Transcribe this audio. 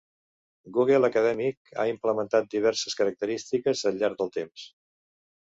Google Acadèmic ha implementat diverses característiques al llarg del temps.